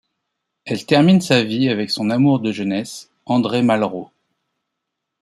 Elle termine sa vie avec son amour de jeunesse, André Malraux.